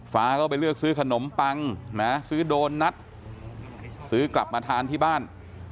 ฟ้าก็ไปเลือกซื้อขนมปังนะซื้อโดนนัดซื้อกลับมาทานที่บ้าน